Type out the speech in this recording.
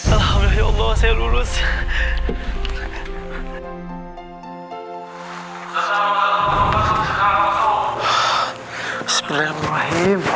alhamdulillah ya allah saya lulus